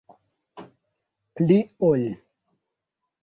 Pli ol.